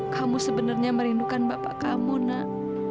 kamu sebenarnya merindukan bapak kamu nak